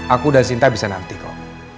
aku dan sinta bisa nanti kok